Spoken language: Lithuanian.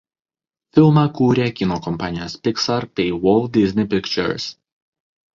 Filmą kūrė kino kompanijos „Pixar“ bei „Walt Disney Pictures“.